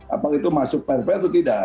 apakah itu masuk prp atau tidak